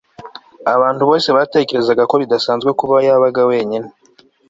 Abantu bose batekerezaga ko bidasanzwe kuba yabaga wenyine